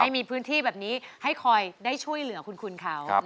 มีพื้นที่แบบนี้ให้คอยได้ช่วยเหลือคุณเขา